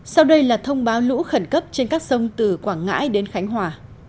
sau đây là thông báo lũ khẩn cấp trên các sông từ quảng ngãi đến khánh hòa